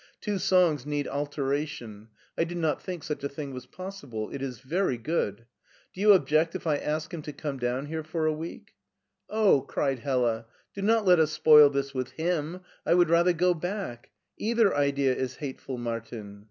Two songs need altera tion. I did not think such a thing was possible. It is very good. Do you object if I ask him to come down here for a week?'* " Oh/* cried Hella, " do not let us spoil this with him ! I would rather go back : either idea is hateful, Martin!"